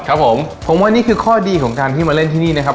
ครับผมผมว่านี่คือข้อดีของการที่มาเล่นที่นี่นะครับ